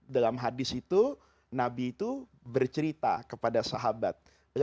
dalam hadis itu nabi itu bercerita kepada sahabat